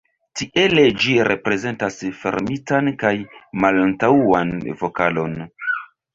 Tiele ĝi reprezentas fermitan kaj malantaŭan vokalon.